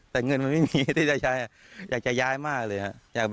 แต่เงินมันไม่มีที่จะใช้อยากจะย้ายมากเลยครับ